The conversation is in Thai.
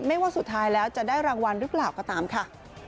ว่าสุดท้ายแล้วจะได้รางวัลหรือเปล่าก็ตามค่ะ